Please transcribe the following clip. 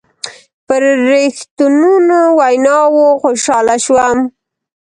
په رښتنوني ویناوو خوشحاله شوم.